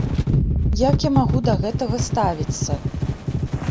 Як я магу да гэтага ставіцца?